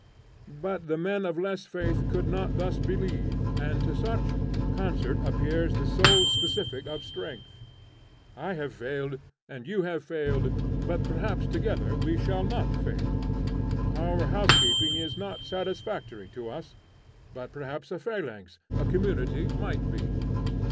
But the men of less faith could not thus believe, and to such, concert appears the sole specific of strength. I have failed, and you have failed, but perhaps together we shall not fail. Our housekeeping is not satisfactory to us, but perhaps a phalanx, a community, might be.